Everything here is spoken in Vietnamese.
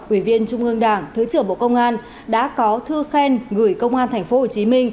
ủy viên trung ương đảng thứ trưởng bộ công an đã có thư khen gửi công an tp hcm